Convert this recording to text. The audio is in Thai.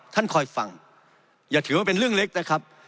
ท่านคอยฟังอย่าถือว่าเป็นเรื่องเล็กนะครับ